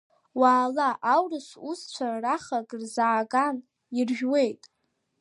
Уаала, аурыс усуцәа рахак рзаазган, иржәуеит.